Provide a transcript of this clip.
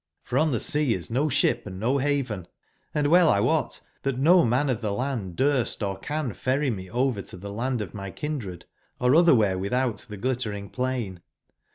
for on tbe sea is no sbip and no baven ; and well X wot tbat no man of tbe land durst or can ferry me over to tbe land of my hindred, or otberwbere witbout tbe Glit tering plain.